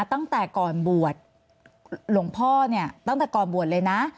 ตั้งแต่ก่อนบวชหลวงพ่อเนี่ยตั้งแต่ก่อนบวชเลยนะ